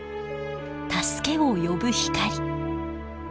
助けを呼ぶ光。